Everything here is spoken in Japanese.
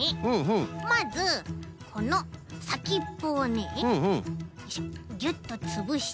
まずこのさきっぽをねよいしょギュッとつぶして。